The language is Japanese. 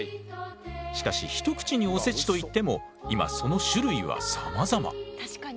しかし一口におせちといっても今その種類はさまざま。